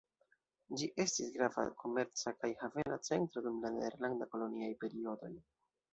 Ĝi estis grava komerca kaj havena centro dum la nederlanda koloniaj periodoj.